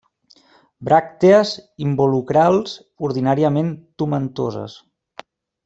Bràctees involucrals ordinàriament tomentoses.